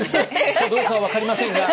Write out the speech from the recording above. かどうかは分かりませんが。